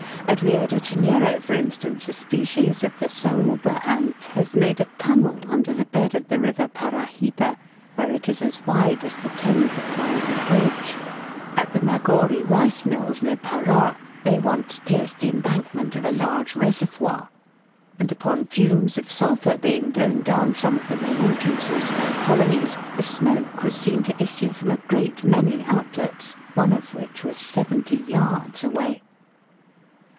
At Rio de Janeiro, for instance, a species 01 the Saiiba ant has made a tunnel under the bed of the river Parahyba, where it is as wide as the Thames at London Bridge ; at the Magoary rice mills, near Para, they once pierced the embankment of a large reservoir; and upon fumes of sulphur being blown down some of the main entrances to their colonies, the smoke was seen to issue from a great many outlets, one of which was seventy yards away.